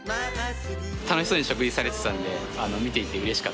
楽しそうに食事されてたんで見ていてうれしかったです。